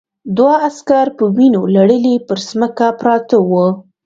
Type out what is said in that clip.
دوه عسکر په وینو لړلي پر ځمکه پراته وو